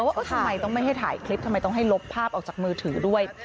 ว่าทำไมต้องไม่ให้ถ่ายคลิปทำไมต้องให้ลบภาพออกจากมือถือด้วย